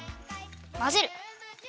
まぜる。